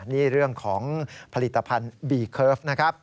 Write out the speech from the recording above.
นี่เรื่องของผลิตภัณฑ์บีเคิร์ฟนะครับ